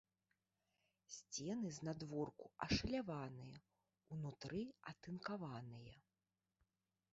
Сцены знадворку ашаляваныя, унутры атынкаваныя.